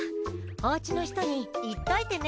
おうちの人に言っといてね。